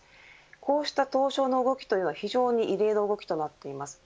こうした東証の動きというのは非常に異例の動きとなっています。